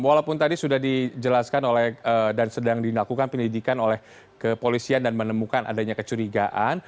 walaupun tadi sudah dijelaskan oleh dan sedang dilakukan penyelidikan oleh kepolisian dan menemukan adanya kecurigaan